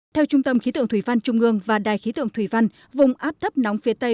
theo trung tâm khí tượng thủy văn trung ương và đài khí tượng thủy văn vùng áp thấp nóng phía tây